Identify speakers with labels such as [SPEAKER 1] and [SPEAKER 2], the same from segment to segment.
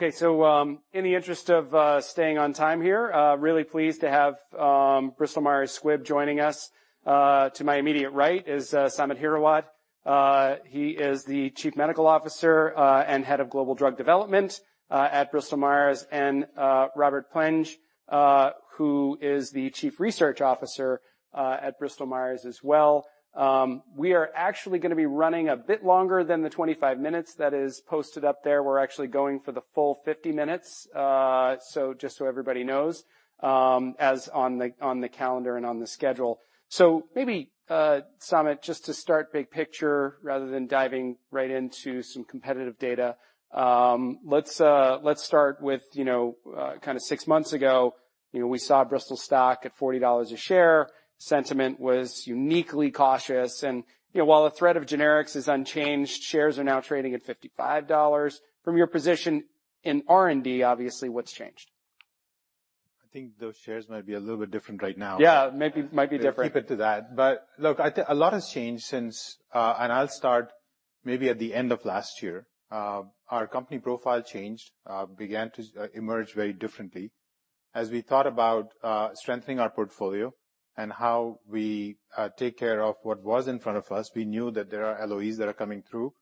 [SPEAKER 1] Okay, so, in the interest of staying on time here, really pleased to have Bristol-Myers Squibb joining us. To my immediate right is Samit Hirawat. He is the Chief Medical Officer and Head of Global Drug Development at Bristol-Myers, and Robert Plenge, who is the Chief Research Officer at Bristol-Myers as well. We are actually going to be running a bit longer than the 25 minutes that is posted up there. We're actually going for the full 50 minutes, so just so everybody knows, as on the calendar and on the schedule. So maybe, Samit, just to start big picture rather than diving right into some competitive data, let's start with, you know, kind of six months ago, you know, we saw Bristol stock at $40 a share. Sentiment was uniquely cautious. You know, while the threat of generics is unchanged, shares are now trading at $55. From your position in R&D, obviously, what's changed?
[SPEAKER 2] I think those shares might be a little bit different right now.
[SPEAKER 1] Yeah, maybe. Might be different.
[SPEAKER 2] I'll keep it to that. But look, I think a lot has changed since, and I'll start maybe at the end of last year. Our company profile changed, began to emerge very differently. As we thought about, strengthening our portfolio and how we, take care of what was in front of us, we knew that there are LOEs that are coming through.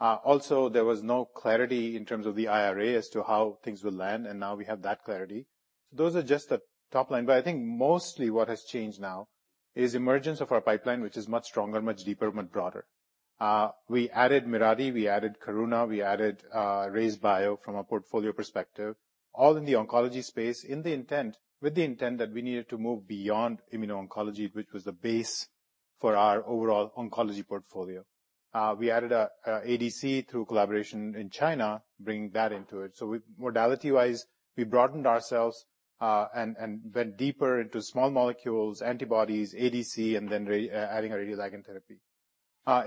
[SPEAKER 2] Also, there was no clarity in terms of the IRA as to how things will land, and now we have that clarity. So those are just the top line. But I think mostly what has changed now is emergence of our pipeline, which is much stronger, much deeper, much broader. We added Mirati, we added Karuna, we added RayzeBio from a portfolio perspective, all in the oncology space, with the intent that we needed to move beyond immuno-oncology, which was the base for our overall oncology portfolio. We added an ADC through collaboration in China, bringing that into it. So, modality-wise, we broadened ourselves and went deeper into small molecules, antibodies, ADC, and then adding a radioligand therapy.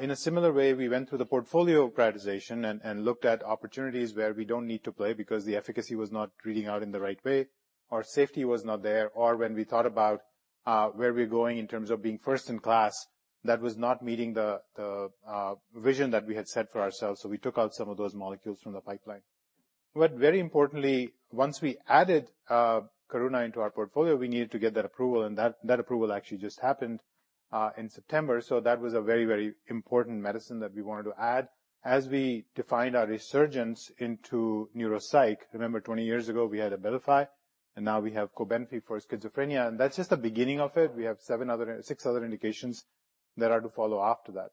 [SPEAKER 2] In a similar way, we went through the portfolio prioritization and looked at opportunities where we don't need to play because the efficacy was not reading out in the right way, or safety was not there, or when we thought about where we're going in terms of being first-in-class, that was not meeting the vision that we had set for ourselves. So we took out some of those molecules from the pipeline. But very importantly, once we added Karuna into our portfolio, we needed to get that approval, and that approval actually just happened in September. So that was a very, very important medicine that we wanted to add. As we defined our resurgence into neuropsych, remember, 20 years ago we had Abilify, and now we have Cobenfy for schizophrenia. And that's just the beginning of it. We have seven other, six other indications that are to follow after that.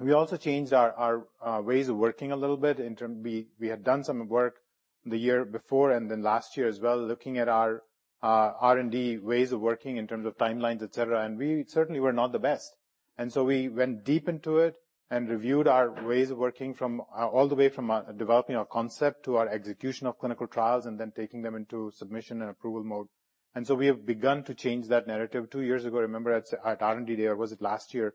[SPEAKER 2] We also changed our ways of working a little bit in terms we had done some work the year before and then last year as well, looking at our R&D ways of working in terms of timelines, etc. And we certainly were not the best. And so we went deep into it and reviewed our ways of working, all the way from developing our concept to our execution of clinical trials and then taking them into submission and approval mode. And so we have begun to change that narrative. Two years ago, remember, at R&D day, or was it last year,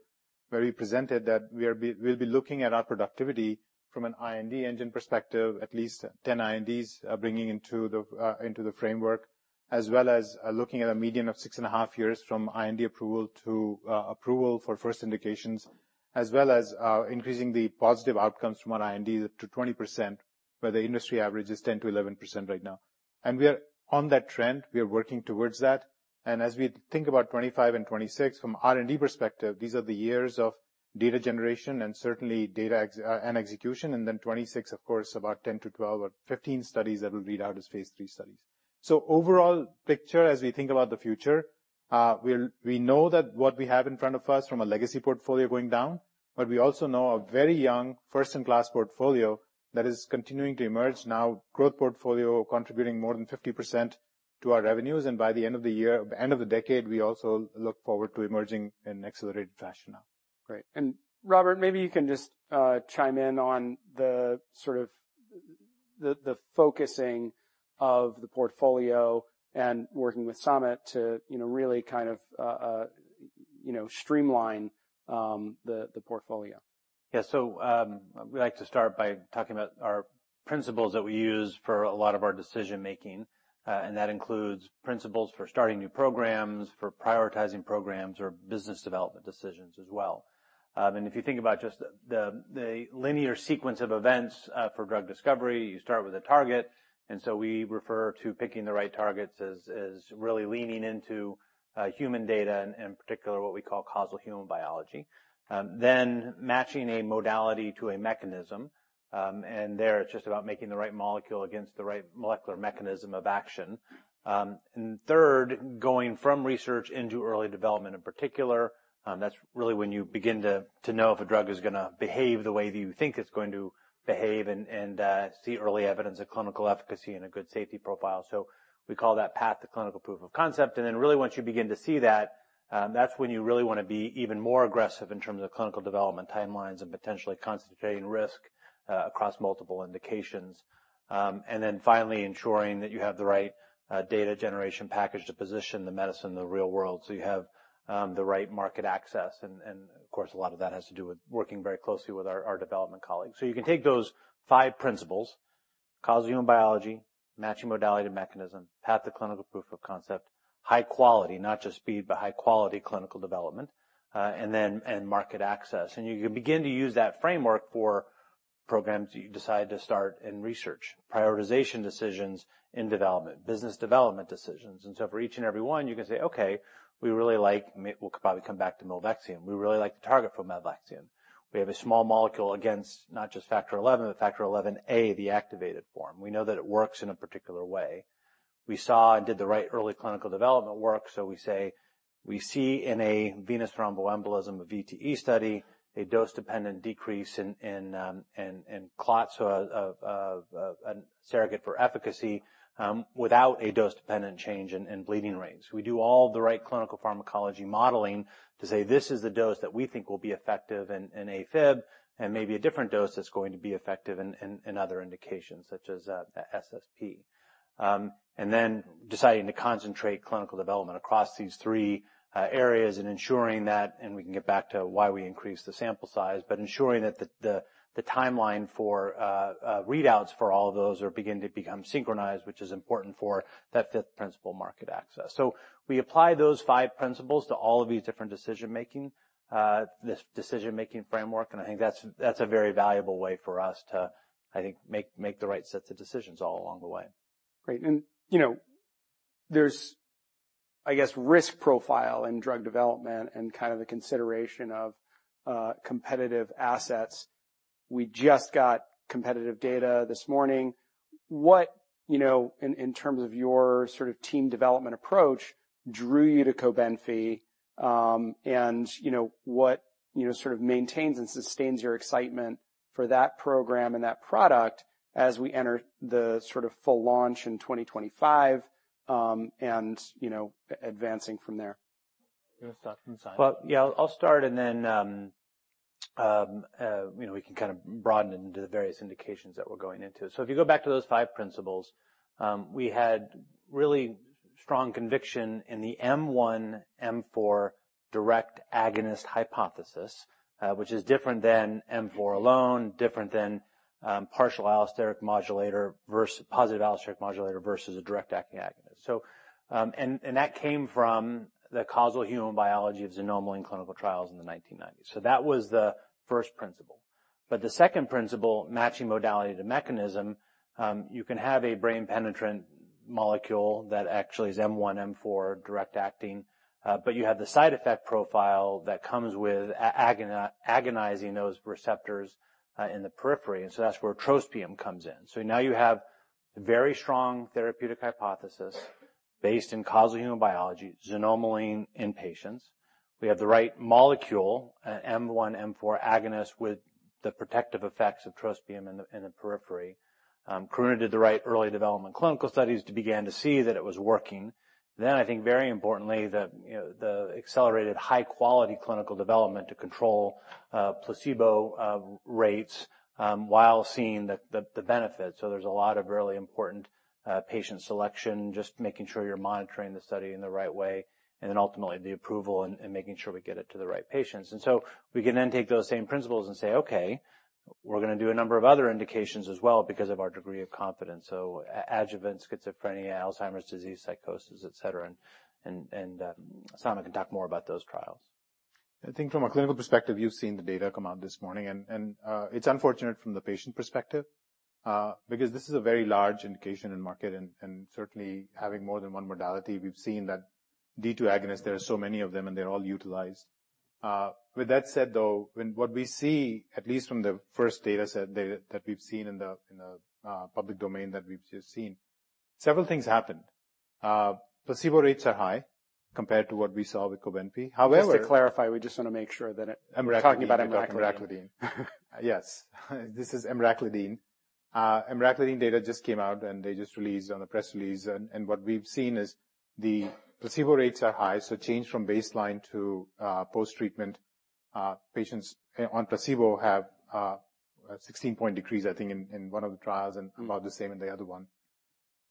[SPEAKER 2] where we presented that we'll be looking at our productivity from an IND engine perspective, at least 10 INDs bringing into the framework, as well as looking at a median of six and a half years from IND approval to approval for first indications, as well as increasing the positive outcomes from our IND to 20%, where the industry average is 10%-11% right now. And we are on that trend. We are working towards that. As we think about 2025 and 2026, from R&D perspective, these are the years of data generation and certainly data execution. Then 2026, of course, about 10 to 12 or 15 studies that will read out as phase III studies. The overall picture, as we think about the future, we'll, we know that what we have in front of us from a legacy portfolio going down, but we also know a very young first-in-class portfolio that is continuing to emerge now, growth portfolio contributing more than 50% to our revenues. By the end of the year, end of the decade, we also look forward to emerging in an accelerated fashion now.
[SPEAKER 1] Great. And Robert, maybe you can just chime in on the sort of focusing of the portfolio and working with Samit to, you know, really kind of, you know, streamline the portfolio.
[SPEAKER 3] Yeah. So, we like to start by talking about our principles that we use for a lot of our decision-making, and that includes principles for starting new programs, for prioritizing programs, or business development decisions as well. And if you think about just the linear sequence of events for drug discovery, you start with a target. And so we refer to picking the right targets as really leaning into human data and particularly what we call causal human biology, then matching a modality to a mechanism. And there it's just about making the right molecule against the right molecular mechanism of action. And third, going from research into early development in particular, that's really when you begin to know if a drug is going to behave the way that you think it's going to behave and see early evidence of clinical efficacy and a good safety profile. So we call that path to clinical proof of concept. And then really, once you begin to see that, that's when you really want to be even more aggressive in terms of clinical development timelines and potentially concentrating risk across multiple indications. And then finally ensuring that you have the right data generation package to position the medicine in the real world so you have the right market access. And of course, a lot of that has to do with working very closely with our development colleagues. You can take those five principles: causal human biology, matching modality to mechanism, path to clinical proof of concept, high quality, not just speed, but high quality clinical development, and then, and market access. You can begin to use that framework for programs that you decide to start in research, prioritization decisions in development, business development decisions. For each and every one, you can say, "Okay, we really like. We'll probably come back to Milvexian. We really like the target for Milvexian. We have a small molecule against not just Factor XI, but Factor XIa, the activated form. We know that it works in a particular way. We saw and did the right early clinical development work. So we say we see in a venous thromboembolism, a VTE study, a dose-dependent decrease in clots, a surrogate for efficacy, without a dose-dependent change in bleeding rates. We do all the right clinical pharmacology modeling to say this is the dose that we think will be effective in AFib and maybe a different dose that's going to be effective in other indications such as SSP." And then deciding to concentrate clinical development across these three areas and ensuring that, and we can get back to why we increased the sample size, but ensuring that the timeline for readouts for all of those are beginning to become synchronized, which is important for that fifth principle, market access. So we apply those five principles to all of these different decision-making, this decision-making framework. I think that's a very valuable way for us to, I think, make the right sets of decisions all along the way.
[SPEAKER 1] Great. And, you know, there's, I guess, risk profile in drug development and kind of the consideration of competitive assets. We just got competitive data this morning. What, you know, in terms of your sort of team development approach drew you to Cobenfy, and, you know, what, you know, sort of maintains and sustains your excitement for that program and that product as we enter the sort of full launch in 2025, and, you know, advancing from there? You want to start from Samit?
[SPEAKER 3] Yeah, I'll, I'll start and then, you know, we can kind of broaden it into the various indications that we're going into. If you go back to those five principles, we had really strong conviction in the M1, M4 direct agonist hypothesis, which is different than M4 alone, different than partial allosteric modulator versus positive allosteric modulator versus a direct acting agonist. That came from the causal human biology of xanomeline in clinical trials in the 1990s. That was the first principle. The second principle, matching modality to mechanism, you can have a brain penetrant molecule that actually is M1, M4 direct acting, but you have the side effect profile that comes with agonizing those receptors in the periphery. That's where trospium comes in. Now you have a very strong therapeutic hypothesis based in causal human biology, xanomeline in patients. We have the right molecule, M1, M4 agonist with the protective effects of trospium in the periphery. Karuna did the right early development clinical studies to begin to see that it was working. Then I think very importantly the, you know, the accelerated high-quality clinical development to control placebo rates, while seeing the benefits. So there's a lot of really important patient selection, just making sure you're monitoring the study in the right way, and then ultimately the approval and making sure we get it to the right patients. And so we can then take those same principles and say, "Okay, we're going to do a number of other indications as well because of our degree of confidence." So adjuvant schizophrenia, Alzheimer's disease, psychosis, etc. And Samit can talk more about those trials.
[SPEAKER 2] I think from a clinical perspective, you've seen the data come out this morning. It's unfortunate from the patient perspective, because this is a very large indication in market and certainly having more than one modality. We've seen that D2 agonist; there are so many of them and they're all utilized. With that said though, what we see, at least from the first data set that we've seen in the public domain that we've just seen, several things happened. Placebo rates are high compared to what we saw with Cobenfy. However.
[SPEAKER 1] Just to clarify, we just want to make sure that it.
[SPEAKER 2] Emraclidine.
[SPEAKER 1] You're talking about emraclidine.
[SPEAKER 2] Yes. This is emraclidine. Emraclidine data just came out and they just released on the press release. What we've seen is the placebo rates are high. Change from baseline to post-treatment, patients on placebo have a 16-point decrease, I think, in one of the trials and about the same in the other one.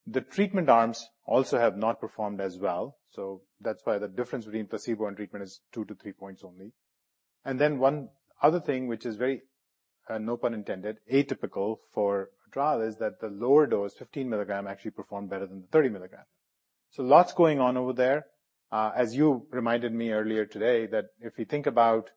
[SPEAKER 2] The treatment arms also have not performed as well. That's why the difference between placebo and treatment is two to three points only. One other thing, which is very, no pun intended, atypical for a trial is that the lower dose, 15 mg, actually performed better than the 30 mg. Lots going on over there. As you reminded me earlier today that if we think about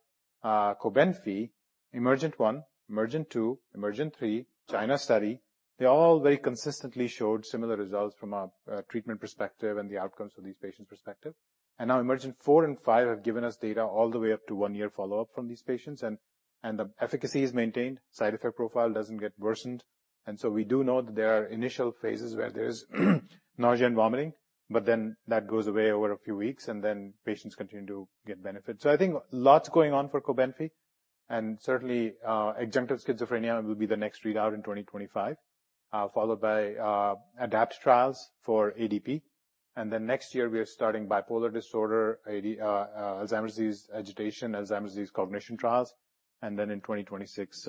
[SPEAKER 2] Cobenfy, EMERGENT-1, EMERGENT-2, EMERGENT-3, China study, they all very consistently showed similar results from a treatment perspective and the outcomes for these patients' perspective. Now EMERGENT-4 and 5 have given us data all the way up to one-year follow-up from these patients. The efficacy is maintained. Side effect profile doesn't get worsened. We do know that there are initial phases where there is nausea and vomiting, but then that goes away over a few weeks and then patients continue to get benefit. I think lots going on for Cobenfy. Certainly, adjunctive schizophrenia will be the next readout in 2025, followed by ADAPT trials for ADP. Then next year we are starting bipolar disorder, AD, Alzheimer's disease agitation, Alzheimer's disease cognition trials. Then in 2026,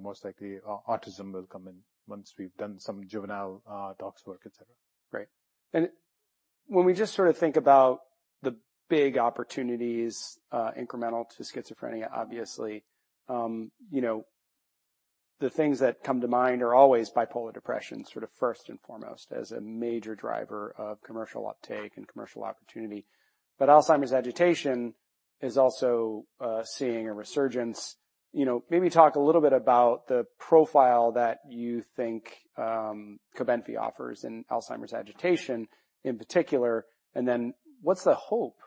[SPEAKER 2] most likely autism will come in once we've done some juvenile tox work, etc.
[SPEAKER 1] Great. And when we just sort of think about the big opportunities, incremental to schizophrenia, obviously, you know, the things that come to mind are always bipolar depression, sort of first and foremost as a major driver of commercial uptake and commercial opportunity. But Alzheimer's agitation is also seeing a resurgence. You know, maybe talk a little bit about the profile that you think Cobenfy offers in Alzheimer's agitation in particular. And then what's the hope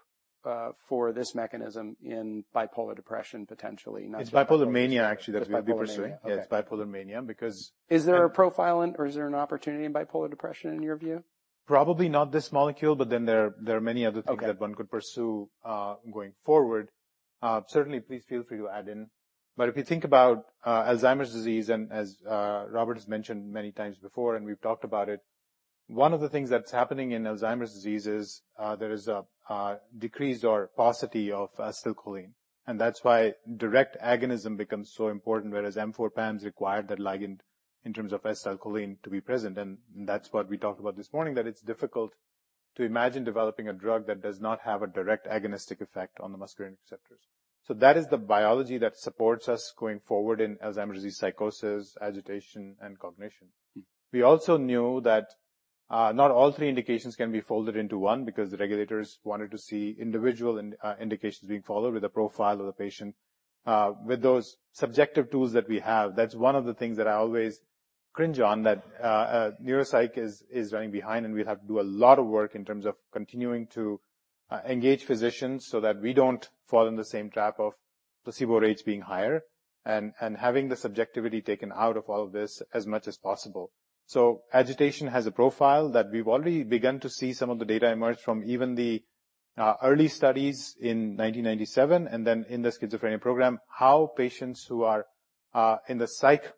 [SPEAKER 1] for this mechanism in bipolar depression potentially?
[SPEAKER 2] It's bipolar mania actually that we've been pursuing.
[SPEAKER 1] Bipolar mania?
[SPEAKER 2] Yeah, it's bipolar mania because.
[SPEAKER 1] Is there a profile in or is there an opportunity in bipolar depression in your view?
[SPEAKER 2] Probably not this molecule, but then there are many other things that one could pursue, going forward. Certainly please feel free to add in. But if you think about Alzheimer's disease and as Robert has mentioned many times before and we've talked about it, one of the things that's happening in Alzheimer's disease is there is a decreased or paucity of acetylcholine. And that's why direct agonism becomes so important, whereas M4 PAMs required that ligand in terms of acetylcholine to be present. And that's what we talked about this morning, that it's difficult to imagine developing a drug that does not have a direct agonistic effect on the muscarinic receptors. So that is the biology that supports us going forward in Alzheimer's disease, psychosis, agitation, and cognition. We also knew that, not all three indications can be folded into one because the regulators wanted to see individual indications being followed with a profile of the patient. With those subjective tools that we have, that's one of the things that I always cringe on that. Neuropsych is running behind and we'll have to do a lot of work in terms of continuing to engage physicians so that we don't fall in the same trap of placebo rates being higher and having the subjectivity taken out of all of this as much as possible. So agitation has a profile that we've already begun to see some of the data emerge from even the early studies in 1997 and then in the schizophrenia program, how patients who are in the psych,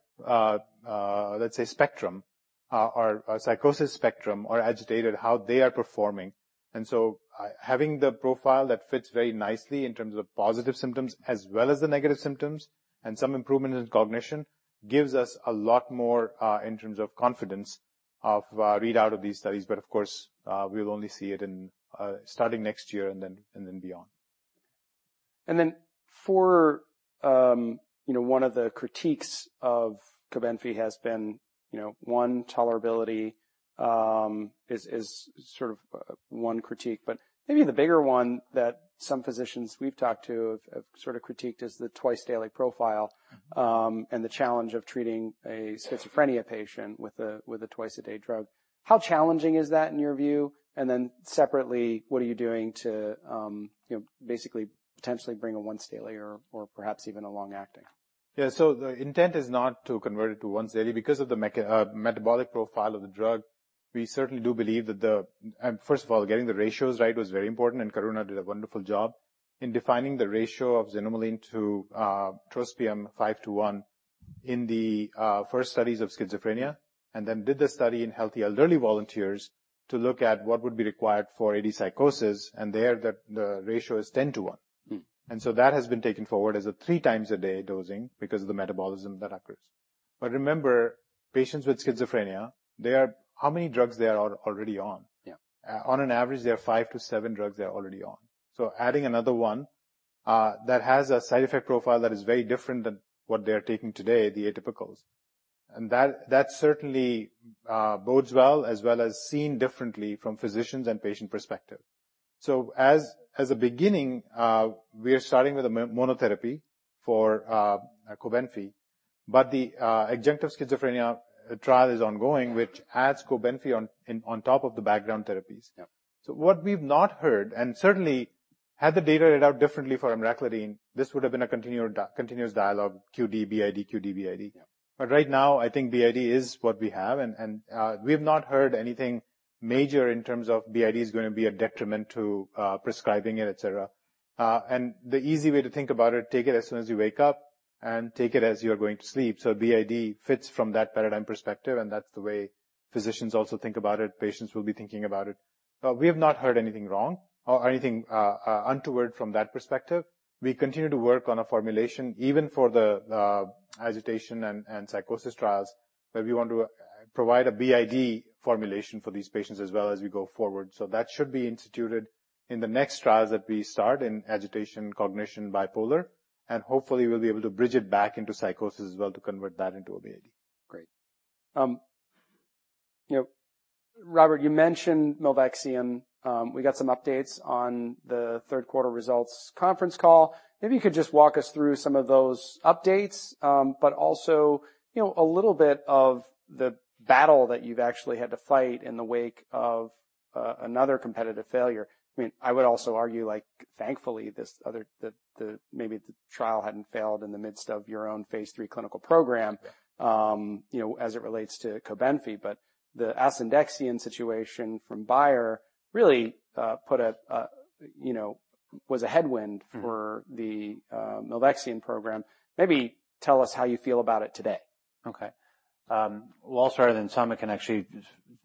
[SPEAKER 2] let's say spectrum, or psychosis spectrum or agitated, how they are performing. And so, having the profile that fits very nicely in terms of positive symptoms as well as the negative symptoms and some improvement in cognition gives us a lot more in terms of confidence of readout of these studies. But of course, we'll only see it, starting next year and then beyond.
[SPEAKER 1] And then for, you know, one of the critiques of Cobenfy has been, you know, one tolerability is sort of one critique. But maybe the bigger one that some physicians we've talked to have sort of critiqued is the twice daily profile, and the challenge of treating a schizophrenia patient with a twice a day drug. How challenging is that in your view? And then separately, what are you doing to, you know, basically potentially bring a once daily or perhaps even a long acting?
[SPEAKER 2] Yeah. The intent is not to convert it to once daily. Because of the metabolic profile of the drug, we certainly do believe that first of all, getting the ratios right was very important. Karuna did a wonderful job in defining the ratio of xanomeline to trospium five to one in the first studies of schizophrenia. Then it did the study in healthy elderly volunteers to look at what would be required for AD psychosis. There the ratio is 10 to one. So that has been taken forward as a three times a day dosing because of the metabolism that occurs. Remember, patients with schizophrenia, they are how many drugs they are already on.
[SPEAKER 1] Yeah.
[SPEAKER 2] On an average, they are five to seven drugs they're already on. So adding another one, that has a side effect profile that is very different than what they're taking today, the atypicals. And that certainly bodes well as well as seen differently from physicians' and patient perspective. So as a beginning, we are starting with a monotherapy for Cobenfy, but the adjunctive schizophrenia trial is ongoing, which adds Cobenfy on top of the background therapies. So what we've not heard, and certainly had the data readout differently for Emraclidine, this would've been a continuous dialogue QD, BID, QD, BID. But right now I think BID is what we have. And we have not heard anything major in terms of BID is going to be a detriment to prescribing it, etc. And the easy way to think about it, take it as soon as you wake up and take it as you're going to sleep. So BID fits from that paradigm perspective. And that's the way physicians also think about it. Patients will be thinking about it. We have not heard anything wrong or anything untoward from that perspective. We continue to work on a formulation even for the agitation and psychosis trials, but we want to provide a BID formulation for these patients as well as we go forward. So that should be instituted in the next trials that we start in agitation, cognition, bipolar. And hopefully we'll be able to bridge it back into psychosis as well to convert that into a BID.
[SPEAKER 1] Great. You know, Robert, you mentioned Milvexian. We got some updates on the third quarter results conference call. Maybe you could just walk us through some of those updates, but also, you know, a little bit of the battle that you've actually had to fight in the wake of another competitive failure. I mean, I would also argue, like thankfully this other, maybe the trial hadn't failed in the midst of your own phase three clinical program, you know, as it relates to Cobenfy, but the Asundexian situation from Bayer really put a, you know, was a headwind for the Milvexian program. Maybe tell us how you feel about it today.
[SPEAKER 3] Okay. I'll start and then Samit can actually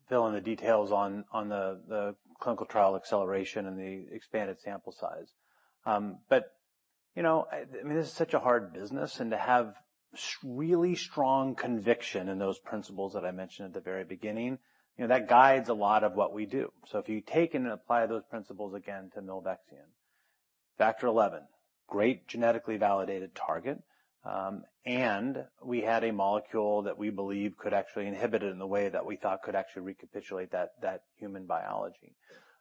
[SPEAKER 3] fill in the details on the clinical trial acceleration and the expanded sample size, but you know, I mean, this is such a hard business and to have really strong conviction in those principles that I mentioned at the very beginning, you know, that guides a lot of what we do, so if you take and apply those principles again to Milvexian, Factor XIa, great genetically validated target, and we had a molecule that we believe could actually inhibit it in the way that we thought could actually recapitulate that human biology.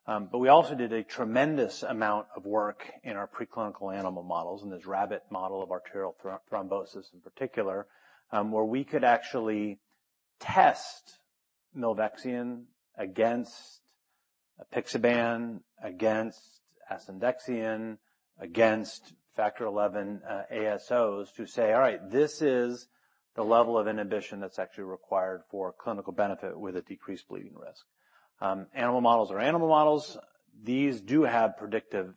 [SPEAKER 3] But we also did a tremendous amount of work in our preclinical animal models and this rabbit model of arterial thrombosis in particular, where we could actually test Milvexian against apixaban, against Asundexian, against Factor XIa, ASOs to say, all right, this is the level of inhibition that's actually required for clinical benefit with a decreased bleeding risk. Animal models are animal models. These do have predictive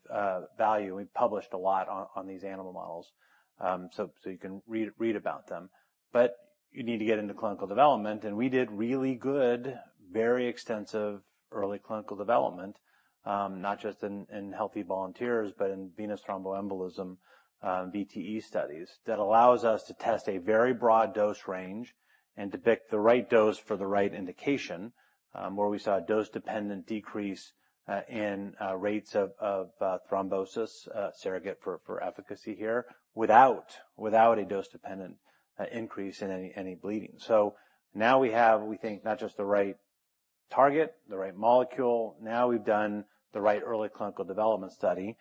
[SPEAKER 3] value. We published a lot on these animal models. So you can read about them, but you need to get into clinical development. We did really good, very extensive early clinical development, not just in healthy volunteers, but in venous thromboembolism, VTE studies that allows us to test a very broad dose range and depict the right dose for the right indication, where we saw a dose-dependent decrease in rates of thrombosis, surrogate for efficacy here without a dose-dependent increase in any bleeding. So now we have, we think not just the right target, the right molecule. Now we've done the right early clinical development study.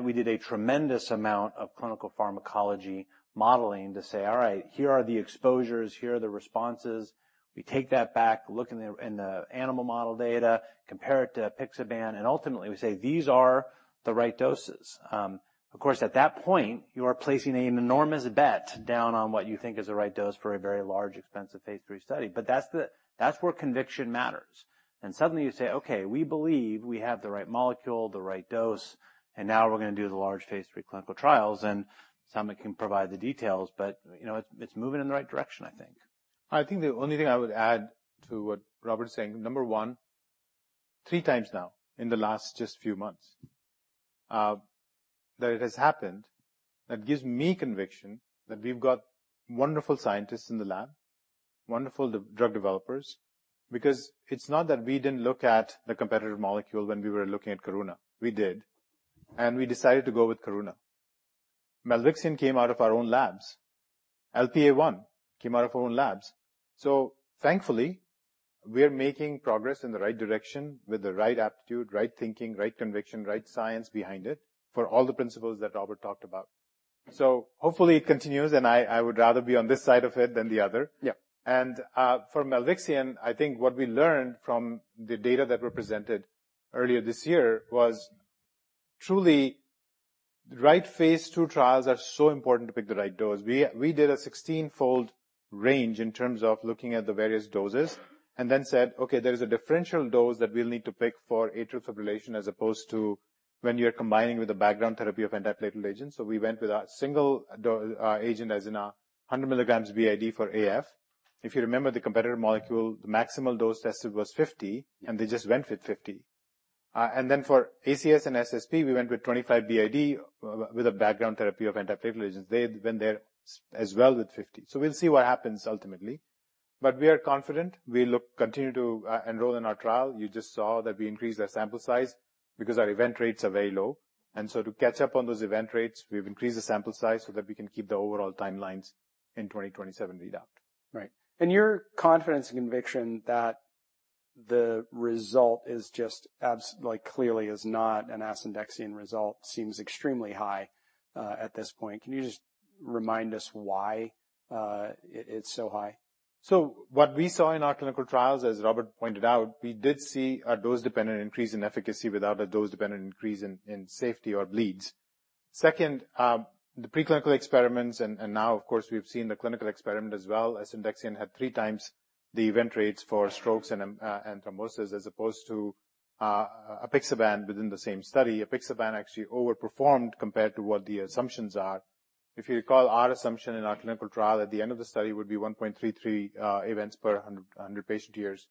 [SPEAKER 3] We did a tremendous amount of clinical pharmacology modeling to say, all right, here are the exposures, here are the responses. We take that back, look in the animal model data, compare it to apixaban, and ultimately we say these are the right doses. Of course, at that point you are placing an enormous bet down on what you think is the right dose for a very large, expensive phase three study. But that's the, that's where conviction matters. And suddenly you say, okay, we believe we have the right molecule, the right dose, and now we're going to do the large phase three clinical trials. And Samit can provide the details, but you know, it's, it's moving in the right direction, I think.
[SPEAKER 2] I think the only thing I would add to what Robert's saying, number one, three times now in the last just few months that it has happened that gives me conviction that we've got wonderful scientists in the lab, wonderful drug developers, because it's not that we didn't look at the competitor molecule when we were looking at Karuna. We did. And we decided to go with Karuna. Milvexian came out of our own labs. LPA1 came out of our own labs. So thankfully we are making progress in the right direction with the right aptitude, right thinking, right conviction, right science behind it for all the principles that Robert talked about. So hopefully it continues. And I would rather be on this side of it than the other.
[SPEAKER 1] Yeah.
[SPEAKER 2] For Milvexian, I think what we learned from the data that were presented earlier this year was truly the right phase two trials are so important to pick the right dose. We did a 16-fold range in terms of looking at the various doses and then said, okay, there is a differential dose that we'll need to pick for atrial fibrillation as opposed to when you're combining with a background therapy of antiplatelet agents, so we went with a single agent as in 100 mg BID for AF. If you remember the competitor molecule, the maximal dose tested was 50 and they just went with 50, and then for ACS and SSP, we went with 25 BID with a background therapy of antiplatelet agents. They went there as well with 50, so we'll see what happens ultimately. But we are confident. We continue to enroll in our trial. You just saw that we increased our sample size because our event rates are very low, and so to catch up on those event rates, we've increased the sample size so that we can keep the overall timelines in 2027 readout.
[SPEAKER 1] Right. And your confidence and conviction that the result is just absolutely like clearly is not an Asundexian result seems extremely high, at this point. Can you just remind us why it's so high?
[SPEAKER 2] So what we saw in our clinical trials, as Robert pointed out, we did see a dose-dependent increase in efficacy without a dose-dependent increase in safety or bleeds. Second, the preclinical experiments and now of course we've seen the clinical experiment as well. Asundexian had three times the event rates for strokes and thrombosis as opposed to apixaban within the same study. Apixaban actually overperformed compared to what the assumptions are. If you recall, our assumption in our clinical trial at the end of the study would be 1.33 events per 100 patient years.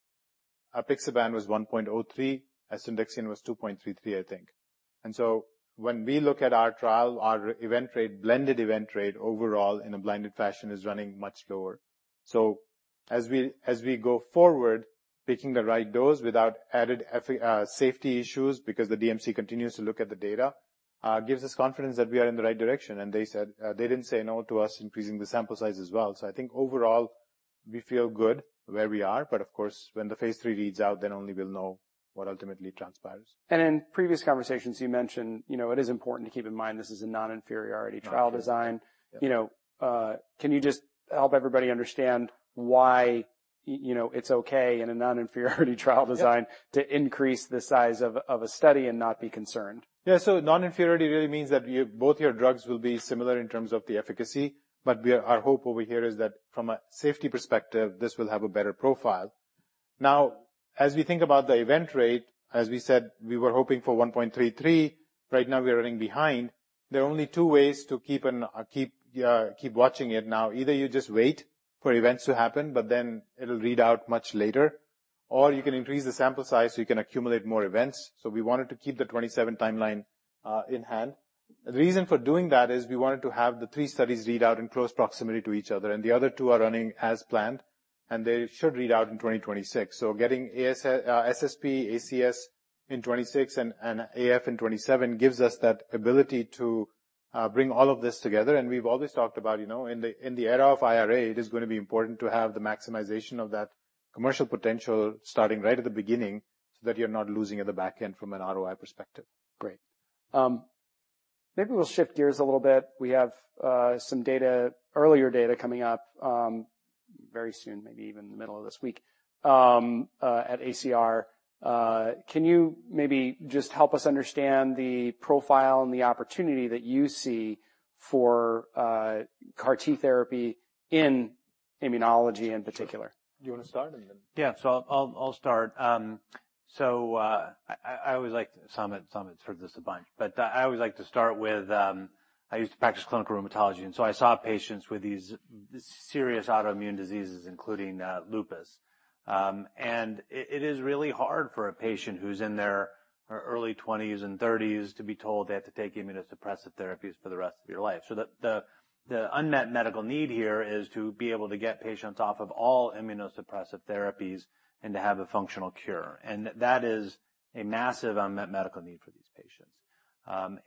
[SPEAKER 2] Apixaban was 1.03. Asundexian was 2.33, I think. And so when we look at our trial, our event rate, blended event rate overall in a blinded fashion is running much lower. So as we go forward, picking the right dose without added efficacy, safety issues because the DMC continues to look at the data, gives us confidence that we are in the right direction. And they said, they didn't say no to us increasing the sample size as well. So I think overall we feel good where we are. But of course, when the phase three reads out, then only we'll know what ultimately transpires.
[SPEAKER 1] In previous conversations, you mentioned, you know, it is important to keep in mind this is a non-inferiority trial design.
[SPEAKER 2] Yeah.
[SPEAKER 1] You know, can you just help everybody understand why, you know, it's okay in a non-inferiority trial design to increase the size of, of a study and not be concerned?
[SPEAKER 2] Yeah. So non-inferiority really means that you, both your drugs will be similar in terms of the efficacy. But we are, our hope over here is that from a safety perspective, this will have a better profile. Now, as we think about the event rate, as we said, we were hoping for 1.33. Right now we are running behind. There are only two ways to keep watching it. Now, either you just wait for events to happen, but then it'll read out much later, or you can increase the sample size so you can accumulate more events. So we wanted to keep the 27 timeline, in hand. The reason for doing that is we wanted to have the three studies read out in close proximity to each other. And the other two are running as planned and they should read out in 2026. Getting AS, SSP, ACS in 2026 and AF in 2027 gives us that ability to bring all of this together. We've always talked about, you know, in the era of IRA, it is going to be important to have the maximization of that commercial potential starting right at the beginning so that you're not losing at the backend from an ROI perspective.
[SPEAKER 1] Great. Maybe we'll shift gears a little bit. We have some data, earlier data coming up very soon, maybe even the middle of this week, at ACR. Can you maybe just help us understand the profile and the opportunity that you see for CAR T therapy in immunology in particular?
[SPEAKER 2] Do you want to start and then?
[SPEAKER 3] Yeah. I'll start. I always like, Sam had heard this a bunch, but I always like to start with, I used to practice clinical rheumatology. I saw patients with these serious autoimmune diseases, including lupus. It is really hard for a patient who's in their early 20s and 30s to be told they have to take immunosuppressive therapies for the rest of your life. The unmet medical need here is to be able to get patients off of all immunosuppressive therapies and to have a functional cure. That is a massive unmet medical need for these patients,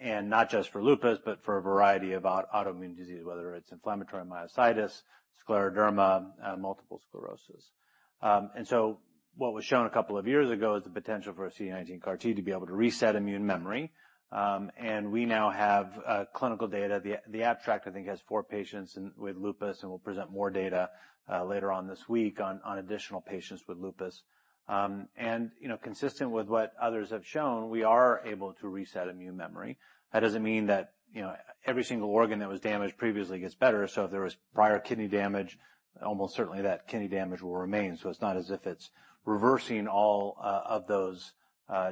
[SPEAKER 3] and not just for lupus, but for a variety of autoimmune diseases, whether it's inflammatory myositis, scleroderma, multiple sclerosis. And so what was shown a couple of years ago is the potential for a CD19 CAR T to be able to reset immune memory. And we now have clinical data. The abstract I think has four patients with lupus, and we'll present more data later on this week on additional patients with lupus. And you know, consistent with what others have shown, we are able to reset immune memory. That doesn't mean that you know, every single organ that was damaged previously gets better. So if there was prior kidney damage, almost certainly that kidney damage will remain. So it's not as if it's reversing all of those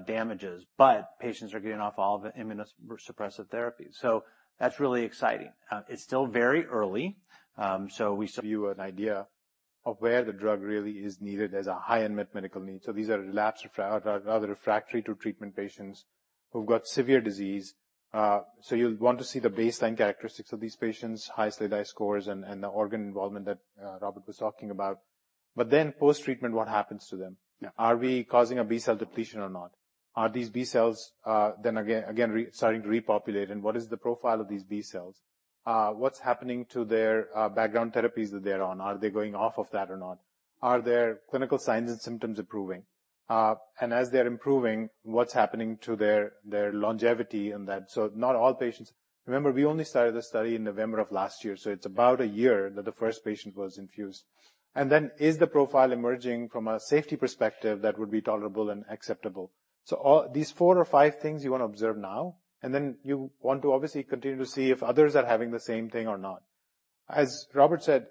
[SPEAKER 3] damages, but patients are getting off all of immunosuppressive therapies. So that's really exciting. It's still very early. So we.
[SPEAKER 2] Give you an idea of where the drug really is needed as a high unmet medical need, so these are relapsed refractory, rather refractory to treatment patients who've got severe disease. So you'll want to see the baseline characteristics of these patients, high SLICC scores and the organ involvement that Robert was talking about. But then post-treatment, what happens to them? Are we causing a B cell depletion or not? Are these B cells then again restarting to repopulate? And what is the profile of these B cells? What's happening to their background therapies that they're on? Are they going off of that or not? Are their clinical signs and symptoms improving, and as they're improving, what's happening to their longevity and that? So not all patients, remember we only started the study in November of last year. It's about a year that the first patient was infused. And then is the profile emerging from a safety perspective that would be tolerable and acceptable? So all these four or five things you want to observe now, and then you want to obviously continue to see if others are having the same thing or not. As Robert said,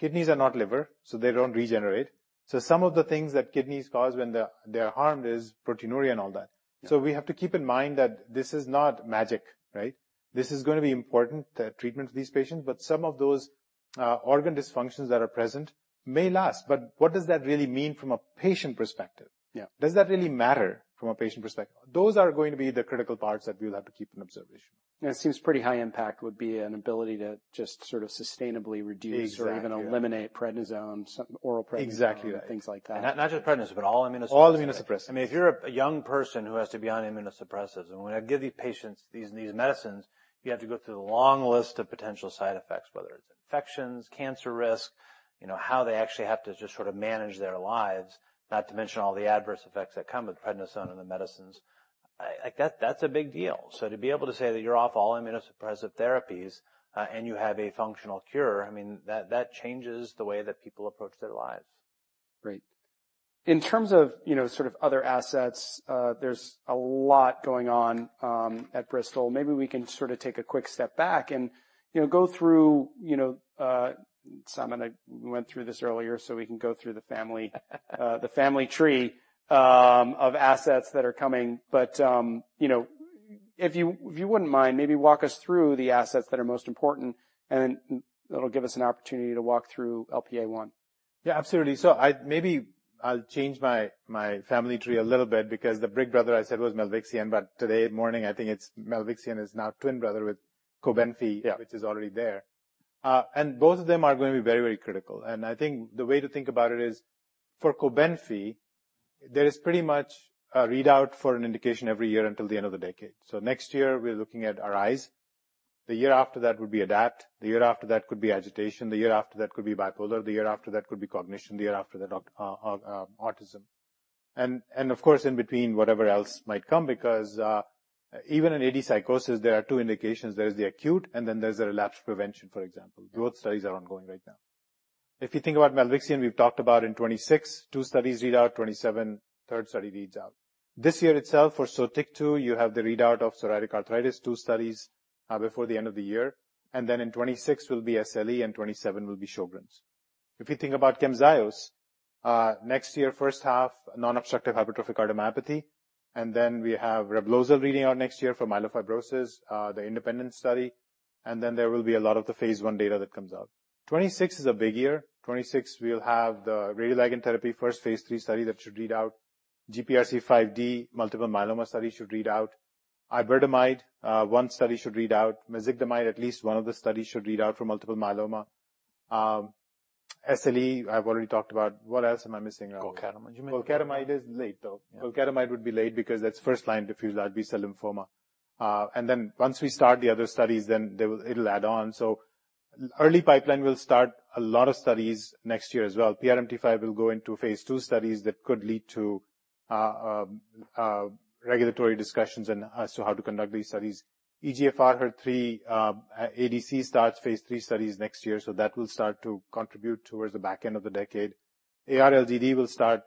[SPEAKER 2] kidneys are not liver, so they don't regenerate. So some of the things that kidneys cause when they're harmed is proteinuria and all that. So we have to keep in mind that this is not magic, right? This is going to be important treatment for these patients, but some of those, organ dysfunctions that are present may last. But what does that really mean from a patient perspective?
[SPEAKER 1] Yeah.
[SPEAKER 2] Does that really matter from a patient perspective? Those are going to be the critical parts that we'll have to keep in observation.
[SPEAKER 1] Yeah. It seems pretty high impact would be an ability to just sort of sustainably reduce or even eliminate prednisone, some oral prednisone, things like that.
[SPEAKER 3] Exactly. Not just prednisone, but all immunosuppressive.
[SPEAKER 2] All immunosuppressive.
[SPEAKER 3] I mean, if you're a young person who has to be on immunosuppressants and when I give these patients these medicines, you have to go through the long list of potential side effects, whether it's infections, cancer risk, you know, how they actually have to just sort of manage their lives, not to mention all the adverse effects that come with prednisone and the medicines. I like that. That's a big deal. So to be able to say that you're off all immunosuppressant therapies, and you have a functional cure, I mean, that changes the way that people approach their lives.
[SPEAKER 1] Great. In terms of, you know, sort of other assets, there's a lot going on at Bristol. Maybe we can sort of take a quick step back and, you know, go through, you know, Sam and I, we went through this earlier, so we can go through the family tree of assets that are coming. But, you know, if you, if you wouldn't mind, maybe walk us through the assets that are most important and then it'll give us an opportunity to walk through LPA1.
[SPEAKER 2] Yeah, absolutely. So I maybe I'll change my family tree a little bit because the big brother I said was Milvexian, but this morning I think it's Milvexian is now twin brother with Cobenfy.
[SPEAKER 1] Yeah.
[SPEAKER 2] Which is already there. And both of them are going to be very, very critical. And I think the way to think about it is for Cobenfy, there is pretty much a readout for an indication every year until the end of the decade. So next year we are looking at ARISE. The year after that would be ADAPT. The year after that could be agitation. The year after that could be bipolar. The year after that could be cognition. The year after that, autism. And, and of course in between whatever else might come because, even in AD psychosis, there are two indications. There is the acute and then there's the relapse prevention, for example. Both studies are ongoing right now. If you think about Milvexian, we've talked about in 2026, two studies readout, 2027, third study reads out. This year itself for Sotyktu, you have the readout of psoriatic arthritis, two studies, before the end of the year. And then in 2026 will be SLE and 2027 will be Sjögren's. If you think about Camzyos, next year, first half, non-obstructive hypertrophic cardiomyopathy. And then we have Reblozel reading out next year for myelofibrosis, the independent study. And then there will be a lot of the phase one data that comes out. 2026 is a big year. 2026 we'll have the radioligand therapy, first phase three study that should read out. GPRC5D, multiple myeloma study should read out. Iberdomide, one study should read out. Mezigdomide, at least one of the studies should read out for multiple myeloma. SLE, I've already talked about. What else am I missing?
[SPEAKER 3] Golcadomide.
[SPEAKER 2] You meant Golcadomide is late though. Golcadomide would be late because that's first line diffuse large B-cell lymphoma, and then once we start the other studies, then they will, it'll add on, so early pipeline will start a lot of studies next year as well. PRMT5 will go into phase II studies that could lead to regulatory discussions and as to how to conduct these studies. EGFR HER3 ADC starts phase III studies next year, so that will start to contribute towards the back end of the decade. AR LDD will start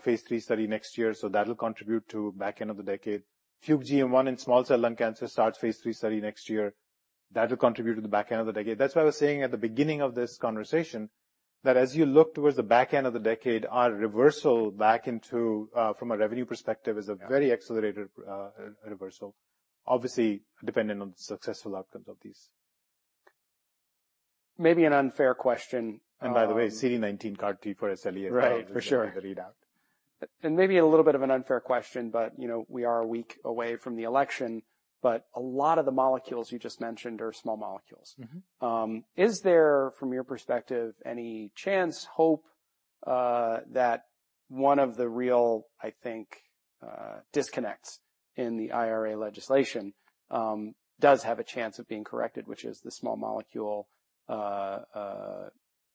[SPEAKER 2] phase III study next year, so that'll contribute to back end of the decade. Fuc-GM1 in small cell lung cancer starts phase III study next year. That'll contribute to the back end of the decade. That's why I was saying at the beginning of this conversation that as you look towards the back end of the decade, our reversal back into, from a revenue perspective, is a very accelerated reversal, obviously dependent on the successful outcomes of these.
[SPEAKER 1] Maybe an unfair question.
[SPEAKER 2] And by the way, CD19 CAR T for SLE is probably.
[SPEAKER 1] Right. For sure.
[SPEAKER 2] The readout.
[SPEAKER 1] And maybe a little bit of an unfair question, but, you know, we are a week away from the election, but a lot of the molecules you just mentioned are small molecules.
[SPEAKER 2] Mm-hmm.
[SPEAKER 1] Is there from your perspective any chance, hope, that one of the real, I think, disconnects in the IRA legislation, does have a chance of being corrected, which is the small molecule,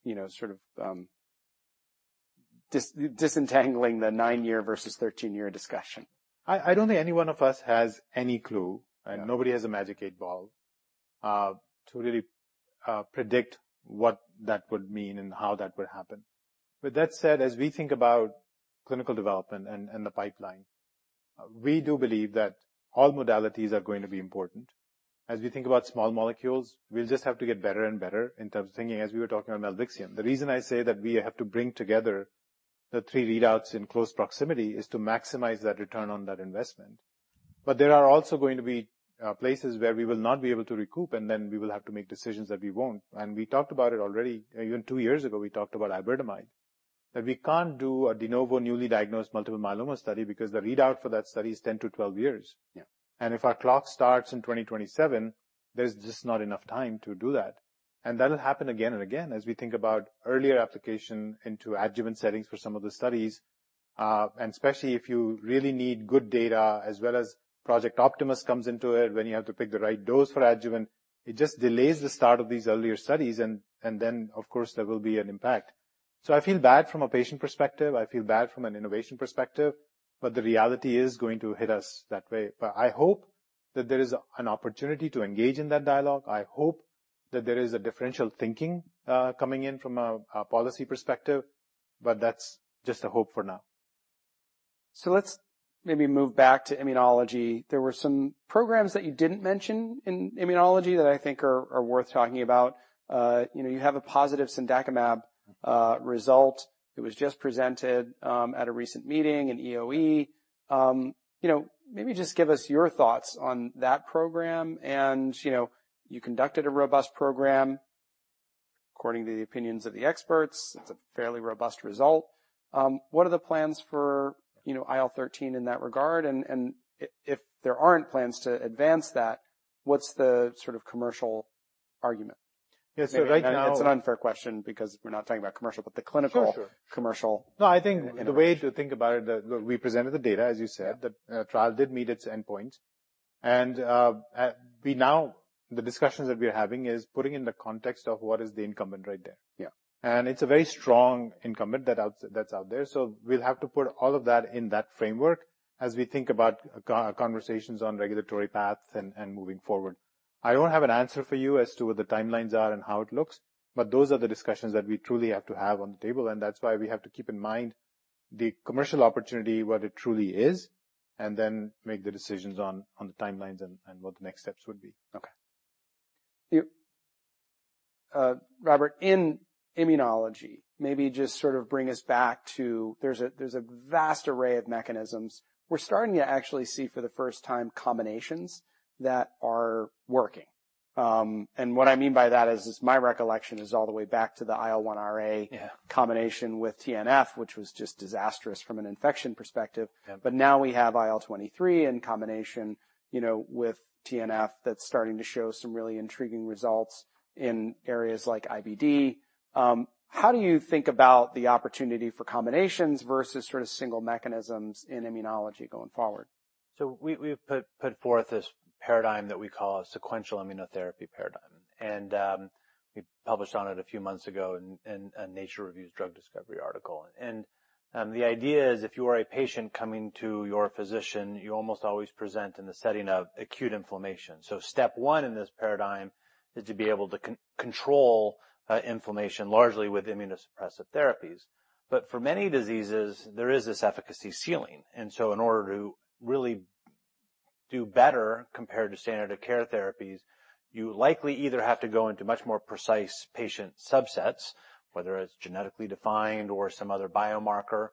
[SPEAKER 1] you know, sort of, disentangling the nine-year versus 13-year discussion?
[SPEAKER 2] I don't think any one of us has any clue.
[SPEAKER 1] Okay.
[SPEAKER 2] Nobody has a magic eight ball to really predict what that would mean and how that would happen. With that said, as we think about clinical development and the pipeline, we do believe that all modalities are going to be important. As we think about small molecules, we'll just have to get better and better in terms of thinking, as we were talking about Milvexian. The reason I say that we have to bring together the three readouts in close proximity is to maximize that return on that investment. There are also going to be places where we will not be able to recoup, and then we will have to make decisions that we won't. We talked about it already. Even two years ago, we talked about Iberdomide, that we can't do a de novo newly diagnosed multiple myeloma study because the readout for that study is 10 to 12 years.
[SPEAKER 1] Yeah.
[SPEAKER 2] If our clock starts in 2027, there's just not enough time to do that. That'll happen again and again as we think about earlier application into adjuvant settings for some of the studies, and especially if you really need good data, as well as Project Optimus comes into it when you have to pick the right dose for adjuvant. It just delays the start of these earlier studies. Then of course there will be an impact. I feel bad from a patient perspective. I feel bad from an innovation perspective, but the reality is going to hit us that way. I hope that there is an opportunity to engage in that dialogue. I hope that there is a differential thinking, coming in from a policy perspective, but that's just a hope for now.
[SPEAKER 1] So let's maybe move back to immunology. There were some programs that you didn't mention in immunology that I think are worth talking about. You know, you have a positive cendakimab result. It was just presented at a recent meeting in EOE. You know, maybe just give us your thoughts on that program. And you know, you conducted a robust program according to the opinions of the experts. It's a fairly robust result. What are the plans for, you know, IL-13 in that regard? And if there aren't plans to advance that, what's the sort of commercial argument?
[SPEAKER 2] Yeah. So right now.
[SPEAKER 1] It's an unfair question because we're not talking about commercial, but the clinical.
[SPEAKER 2] Sure.
[SPEAKER 1] Commercial.
[SPEAKER 2] No, I think the way to think about it that we presented the data, as you said, that trial did meet its endpoints. And now, the discussions that we are having is putting in the context of what is the incumbent right there.
[SPEAKER 1] Yeah.
[SPEAKER 2] It's a very strong incumbent that's out there. We'll have to put all of that in that framework as we think about conversations on regulatory paths and moving forward. I don't have an answer for you as to what the timelines are and how it looks, but those are the discussions that we truly have to have on the table. That's why we have to keep in mind the commercial opportunity, what it truly is, and then make the decisions on the timelines and what the next steps would be.
[SPEAKER 1] Okay. You, Robert, in immunology, maybe just sort of bring us back to, there's a vast array of mechanisms. We're starting to actually see for the first time combinations that are working. And what I mean by that is my recollection is all the way back to the IL-1RA.
[SPEAKER 2] Yeah.
[SPEAKER 1] Combination with TNF, which was just disastrous from an infection perspective.
[SPEAKER 2] Yeah.
[SPEAKER 1] But now we have IL-23 in combination, you know, with TNF that's starting to show some really intriguing results in areas like IBD. How do you think about the opportunity for combinations versus sort of single mechanisms in immunology going forward?
[SPEAKER 3] We've put forth this paradigm that we call a sequential immunotherapy paradigm. We published on it a few months ago in a Nature Reviews Drug Discovery article. The idea is if you are a patient coming to your physician, you almost always present in the setting of acute inflammation. Step one in this paradigm is to be able to control inflammation largely with immunosuppressive therapies. For many diseases, there is this efficacy ceiling. In order to really do better compared to standard of care therapies, you likely either have to go into much more precise patient subsets, whether it's genetically defined or some other biomarker,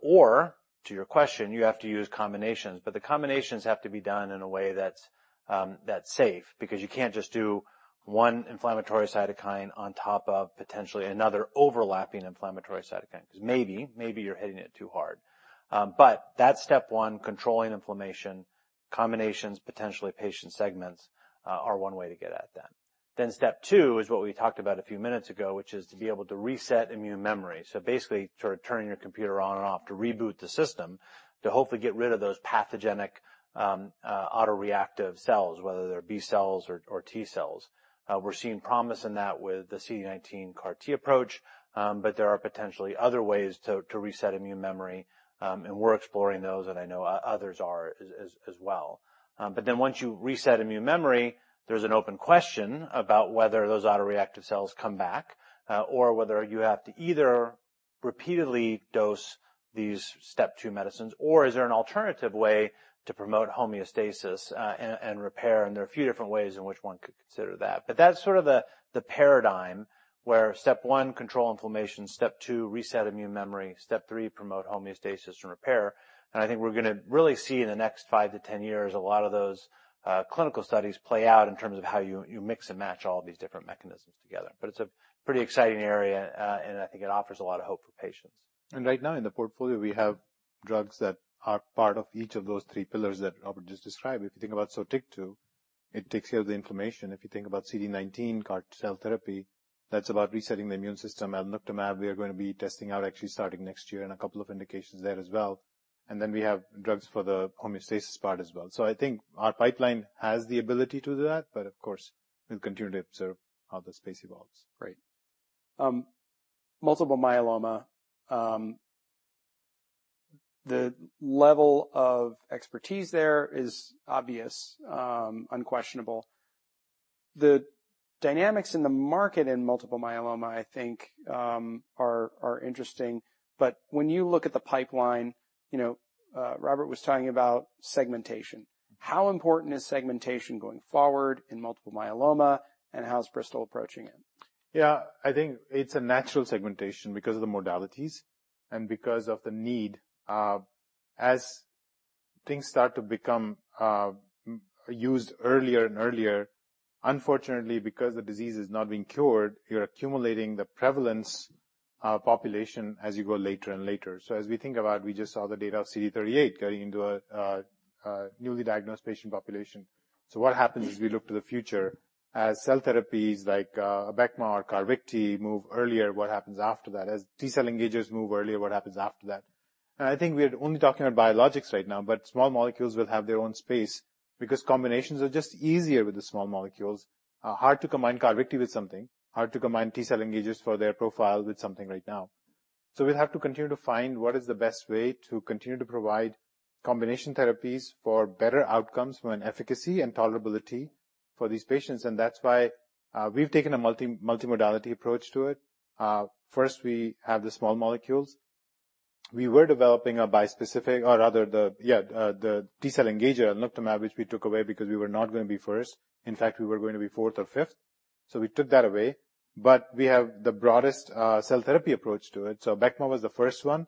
[SPEAKER 3] or to your question, you have to use combinations. But the combinations have to be done in a way that's safe because you can't just do one inflammatory cytokine on top of potentially another overlapping inflammatory cytokine 'cause maybe you're hitting it too hard. But that's step one, controlling inflammation. Combinations, potentially patient segments, are one way to get at that. Then step two is what we talked about a few minutes ago, which is to be able to reset immune memory. So basically sort of turning your computer on and off to reboot the system to hopefully get rid of those pathogenic, autoreactive cells, whether they're B cells or T cells. We're seeing promise in that with the CD19 CAR T approach. But there are potentially other ways to reset immune memory. And we're exploring those and I know others are as well. But then once you reset immune memory, there's an open question about whether those autoreactive cells come back, or whether you have to either repeatedly dose these step two medicines or is there an alternative way to promote homeostasis, and repair. And there are a few different ways in which one could consider that. But that's sort of the paradigm where step one, control inflammation, step two, reset immune memory, step three, promote homeostasis and repair. And I think we're gonna really see in the next five to 10 years a lot of those clinical studies play out in terms of how you mix and match all these different mechanisms together. But it's a pretty exciting area, and I think it offers a lot of hope for patients.
[SPEAKER 2] And right now in the portfolio, we have drugs that are part of each of those three pillars that Robert just described. If you think about Sotyktu, it takes care of the inflammation. If you think about CD19 CAR T cell therapy, that's about resetting the immune system. Alnuctamab, we are going to be testing out actually starting next year and a couple of indications there as well. And then we have drugs for the homeostasis part as well. So I think our pipeline has the ability to do that, but of course we'll continue to observe how the space evolves.
[SPEAKER 1] Great. Multiple myeloma, the level of expertise there is obvious, unquestionable. The dynamics in the market in multiple myeloma, I think, are interesting. But when you look at the pipeline, you know, Robert was talking about segmentation. How important is segmentation going forward in multiple myeloma and how's Bristol approaching it?
[SPEAKER 2] Yeah, I think it's a natural segmentation because of the modalities and because of the need as things start to become used earlier and earlier, unfortunately, because the disease is not being cured. You're accumulating the prevalence population as you go later and later. As we think about, we just saw the data of CD38 getting into a newly diagnosed patient population. What happens as we look to the future as cell therapies like Iberdomide or Carvykti move earlier? What happens after that? As T cell engagers move earlier, what happens after that? I think we are only talking about biologics right now, but small molecules will have their own space because combinations are just easier with the small molecules. It's hard to combine Carvykti with something. It's hard to combine T cell engagers for their profile with something right now. So we'll have to continue to find what is the best way to continue to provide combination therapies for better outcomes when efficacy and tolerability for these patients. And that's why we've taken a multi, multi-modality approach to it. First we have the small molecules. We were developing a bispecific, or rather the, yeah, the T cell engager, alnuctamab, which we took away because we were not going to be first. In fact, we were going to be fourth or fifth. So we took that away, but we have the broadest cell therapy approach to it. So Iberdomide was the first one.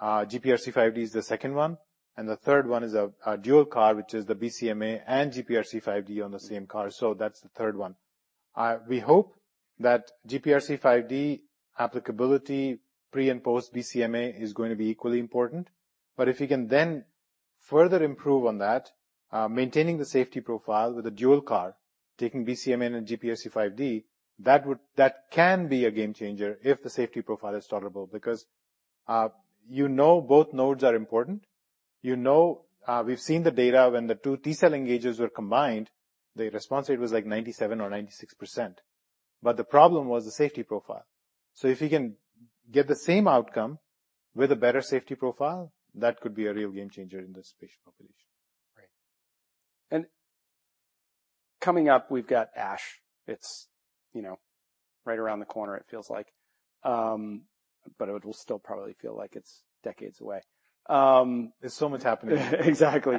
[SPEAKER 2] GPRC5D is the second one. And the third one is a dual CAR, which is the BCMA and GPRC5D on the same CAR. So that's the third one. We hope that GPRC5D applicability pre and post BCMA is going to be equally important. But if we can then further improve on that, maintaining the safety profile with a dual CAR, taking BCMA and GPRC5D, that would, that can be a game changer if the safety profile is tolerable because, you know, both nodes are important. You know, we've seen the data when the two T-cell engagers were combined, the response rate was like 97% or 96%. But the problem was the safety profile. So if we can get the same outcome with a better safety profile, that could be a real game changer in this patient population.
[SPEAKER 1] Right. And coming up, we've got ASH. It's, you know, right around the corner, it feels like. But it will still probably feel like it's decades away.
[SPEAKER 2] There's so much happening.
[SPEAKER 1] Exactly.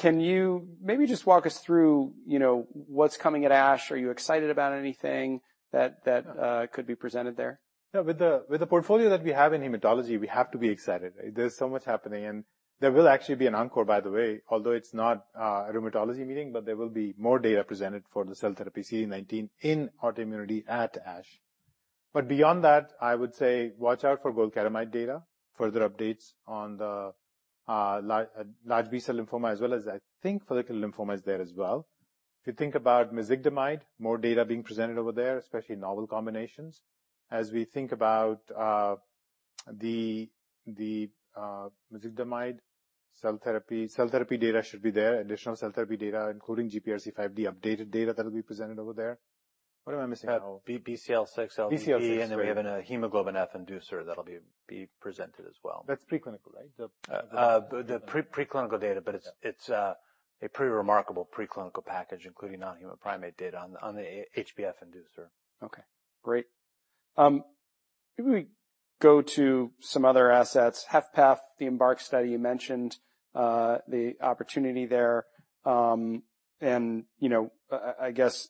[SPEAKER 1] Can you maybe just walk us through, you know, what's coming at ASH? Are you excited about anything that could be presented there?
[SPEAKER 2] Yeah, with the portfolio that we have in hematology, we have to be excited. There's so much happening, and there will actually be an encore, by the way, although it's not a rheumatology meeting, but there will be more data presented for the cell therapy CD19 in autoimmunity at ASH. But beyond that, I would say watch out for Golcadomide data, further updates on the large B cell lymphoma, as well as I think follicular lymphoma is there as well. If you think about Mezigdomide, more data being presented over there, especially novel combinations. As we think about the Mezigdomide cell therapy, cell therapy data should be there, additional cell therapy data, including GPRC5D updated data that'll be presented over there. What am I missing?
[SPEAKER 3] BCL6 LDD, and then we have a hemoglobin F inducer that'll be presented as well.
[SPEAKER 2] That's pre-clinical, right?
[SPEAKER 3] The pre-clinical data, but it's a pretty remarkable pre-clinical package, including non-human primate data on the HbF inducer.
[SPEAKER 1] Okay. Great. Maybe we go to some other assets. HFpEF, the EMBARK study you mentioned, the opportunity there, and, you know, I guess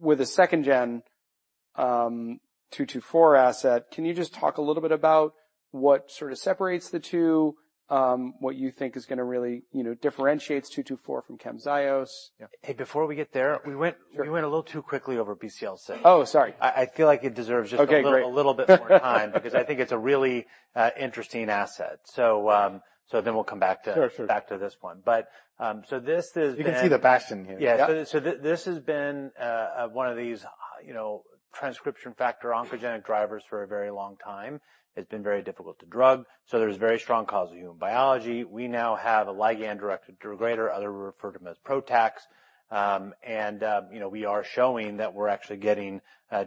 [SPEAKER 1] with a second gen 224 asset, can you just talk a little bit about what sort of separates the two, what you think is gonna really, you know, differentiates 224 from Camzyos?
[SPEAKER 3] Hey, before we get there, we went a little too quickly over BCL6.
[SPEAKER 1] Oh, sorry.
[SPEAKER 3] I feel like it deserves just a little bit more time because I think it's a really interesting asset. So then we'll come back to this one. But so this is been.
[SPEAKER 2] You can see the passion here.
[SPEAKER 3] Yeah. So this has been one of these, you know, transcription factor oncogenic drivers for a very long time. It's been very difficult to drug, so there's very strong causal human biology. We now have a ligand-directed degrader, otherwise referred to as PROTAC, and you know, we are showing that we're actually getting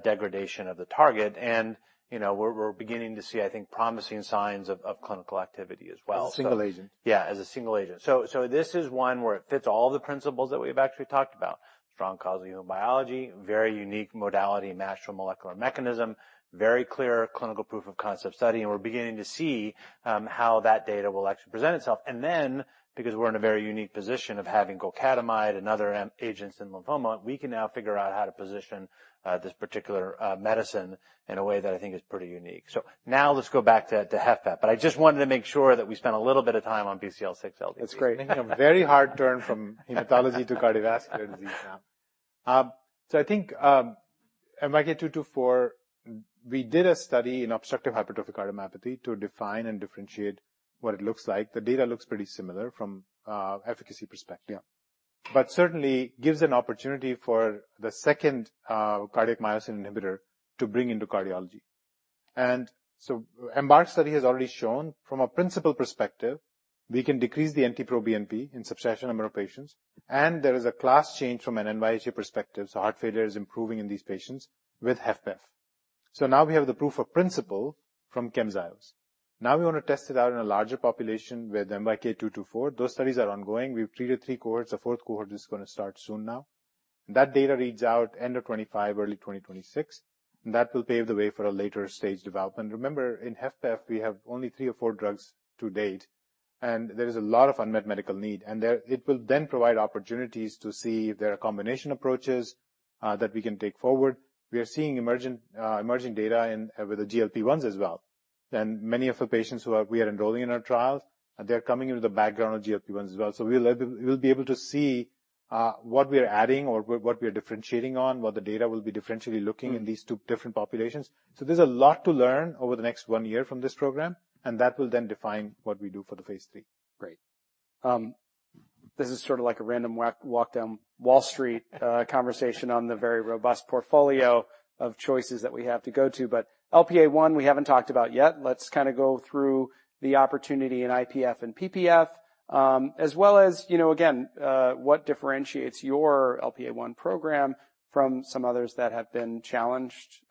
[SPEAKER 3] degradation of the target, and you know, we're beginning to see, I think, promising signs of clinical activity as well.
[SPEAKER 2] As a single agent.
[SPEAKER 3] Yeah, as a single agent. So, so this is one where it fits all the principles that we've actually talked about: strong causal human biology, very unique modality, matched from molecular mechanism, very clear clinical proof of concept study, and we're beginning to see how that data will actually present itself. And then, because we're in a very unique position of having Golcadomide and other agents in lymphoma, we can now figure out how to position this particular medicine in a way that I think is pretty unique. So now let's go back to HFpEF. But I just wanted to make sure that we spent a little bit of time on BCL6 LDD.
[SPEAKER 2] That's great. Making a very hard turn from hematology to cardiovascular disease now. So I think, MYK-224, we did a study in obstructive hypertrophic cardiomyopathy to define and differentiate what it looks like. The data looks pretty similar from efficacy perspective.
[SPEAKER 1] Yeah.
[SPEAKER 2] But certainly gives an opportunity for the second, cardiac myosin inhibitor to bring into cardiology. And so EMBARK study has already shown from a principle perspective, we can decrease the NT-proBNP in substantial number of patients. And there is a class change from an NYHA perspective. So heart failure is improving in these patients with HFpEF. So now we have the proof of principle from Camzyos. Now we want to test it out in a larger population with MYK-224. Those studies are ongoing. We've treated three cohorts. A fourth cohort is gonna start soon now. That data reads out end of 2025, early 2026. And that will pave the way for a later stage development. Remember, in HFpEF, we have only three or four drugs to date. And there is a lot of unmet medical need. There it will then provide opportunities to see if there are combination approaches that we can take forward. We are seeing emergent, emerging data in with the GLP-1s as well. Many of the patients who we are enrolling in our trials, they're coming into the background of GLP-1s as well. We'll be able to see what we are adding or what we are differentiating on, what the data will be differentially looking in these two different populations. There's a lot to learn over the next one year from this program. That will then define what we do for the phase three.
[SPEAKER 1] Great. This is sort of like a random walk down Wall Street, conversation on the very robust portfolio of choices that we have to go to. But LPA1, we haven't talked about yet. Let's kind of go through the opportunity in IPF and PPF, as well as, you know, again, what differentiates your LPA1 program from some others that have been challenged,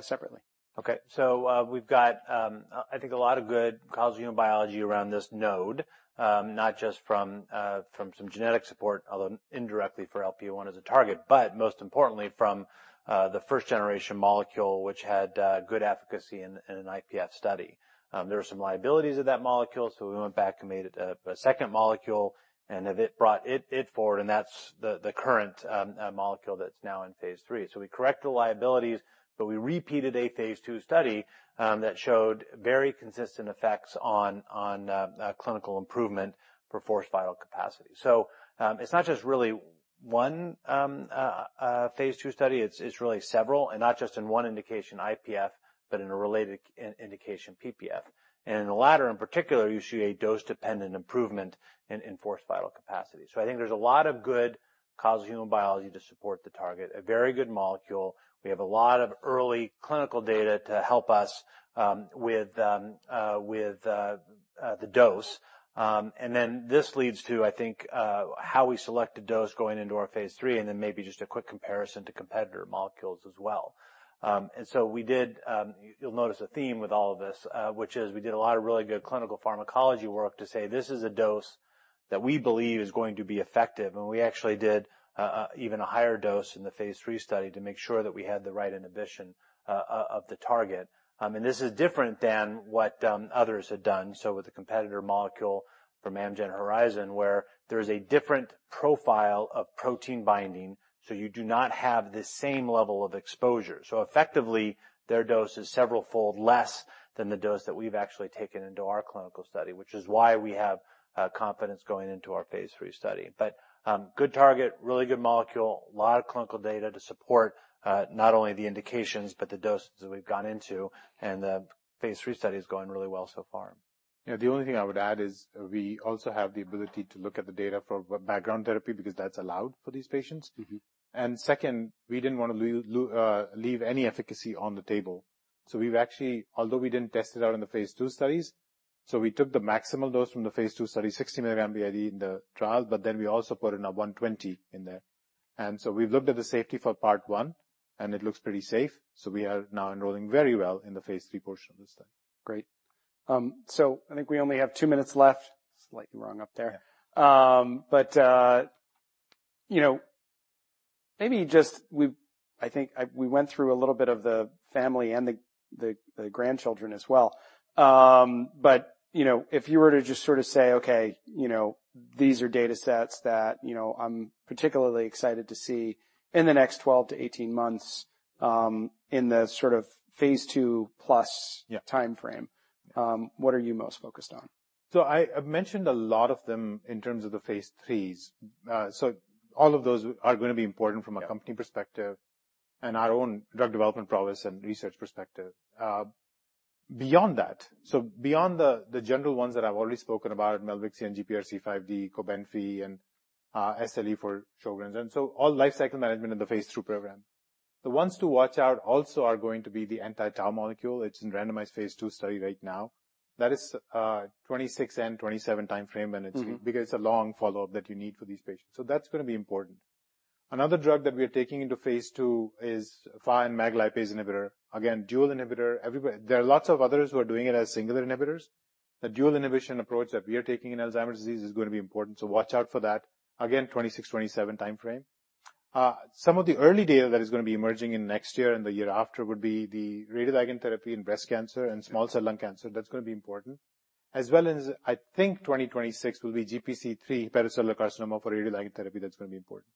[SPEAKER 1] separately.
[SPEAKER 3] Okay. So we've got, I think a lot of good causal human biology around this node, not just from some genetic support, although indirectly for LPA1 as a target, but most importantly from the first generation molecule, which had good efficacy in an IPF study. There were some liabilities of that molecule. So we went back and made it a second molecule and it brought it forward. And that's the current molecule that's now in phase three. So we corrected the liabilities, but we repeated a phase two study that showed very consistent effects on clinical improvement for forced vital capacity. So it's not just really one phase two study. It's really several and not just in one indication IPF, but in a related indication PPF. And in the latter in particular, you see a dose-dependent improvement in forced vital capacity. So I think there's a lot of good causal human biology to support the target. A very good molecule. We have a lot of early clinical data to help us with the dose. And then this leads to, I think, how we select a dose going into our phase three and then maybe just a quick comparison to competitor molecules as well. And so we did. You'll notice a theme with all of this, which is we did a lot of really good clinical pharmacology work to say this is a dose that we believe is going to be effective. And we actually did even a higher dose in the phase three study to make sure that we had the right inhibition of the target. And this is different than what others had done. So with the competitor molecule from Amgen Horizon, where there is a different profile of protein binding, so you do not have the same level of exposure, so effectively, their dose is several fold less than the dose that we've actually taken into our clinical study, which is why we have confidence going into our phase three study, but good target, really good molecule, a lot of clinical data to support not only the indications, but the doses that we've gone into, and the phase three study is going really well so far.
[SPEAKER 2] Yeah. The only thing I would add is we also have the ability to look at the data for background therapy because that's allowed for these patients. And second, we didn't want to leave any efficacy on the table. So we've actually, although we didn't test it out in the phase two studies, so we took the maximal dose from the phase two study, 60 mg BID in the trial, but then we also put in a 120 in there. And so we've looked at the safety for part one, and it looks pretty safe. So we are now enrolling very well in the phase three portion of this study.
[SPEAKER 1] Great. So I think we only have two minutes left. Slightly wrong up there. But, you know, maybe just, I think we went through a little bit of the family and the grandchildren as well. But, you know, if you were to just sort of say, okay, you know, these are data sets that, you know, I'm particularly excited to see in the next 12-18 months, in the sort of phase two plus timeframe. What are you most focused on?
[SPEAKER 2] So, I've mentioned a lot of them in terms of the phase threes. So all of those are gonna be important from a company perspective and our own drug development prowess and research perspective. Beyond that, so beyond the general ones that I've already spoken about, Milvexian, GPRC5D, Cobenfy, and SLE for Sjögren's. And so all lifecycle management in the phase three program. The ones to watch out also are going to be the anti-Tau molecule. It's in randomized phase two study right now. That is, 2026 and 2027 timeframe. And it's because it's a long follow-up that you need for these patients. So that's gonna be important. Another drug that we are taking into phase two is FAAH and MAGL lipase inhibitor. Again, dual inhibitor. Everybody, there are lots of others who are doing it as singular inhibitors. The dual inhibition approach that we are taking in Alzheimer's disease is gonna be important. So watch out for that. Again, 2026, 2027 timeframe. Some of the early data that is gonna be emerging in next year and the year after would be the radioligand therapy in breast cancer and small cell lung cancer. That's gonna be important. As well as, I think 2026 will be GPC3, hepatocellular carcinoma for radioligand therapy. That's gonna be important.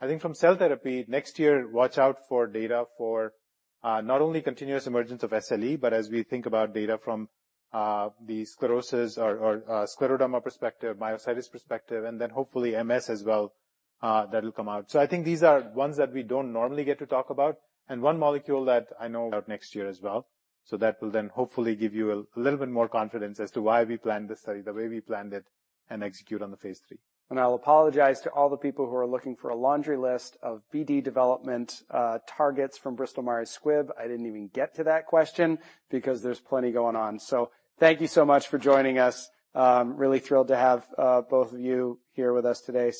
[SPEAKER 2] I think from cell therapy next year, watch out for data for, not only continuous emergence of SLE, but as we think about data from, the sclerosis or scleroderma perspective, myositis perspective, and then hopefully MS as well, that'll come out. So I think these are ones that we don't normally get to talk about. And one molecule that I know out next year as well. So that will then hopefully give you a little bit more confidence as to why we planned the study, the way we planned it, and execute on the phase three.
[SPEAKER 1] I'll apologize to all the people who are looking for a laundry list of BD development targets from Bristol-Myers Squibb. I didn't even get to that question because there's plenty going on. Thank you so much for joining us. Really thrilled to have both of you here with us today.